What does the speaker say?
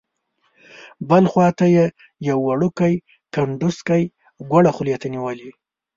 بل خوا ته یې یو وړوکی کنډوسکی ګوړه خولې ته نیولې.